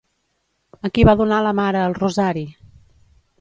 A qui va donar la mare el rosari?